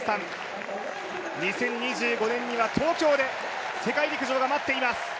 ２０２５年には東京で世界陸上が待っています。